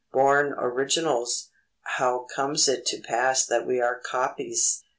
Born Originals, how comes it to pass that we are Copies?"